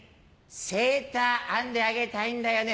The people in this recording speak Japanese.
セーター編んであげたいんだよね」。